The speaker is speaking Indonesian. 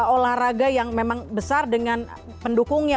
olahraga yang memang besar dengan pendukungnya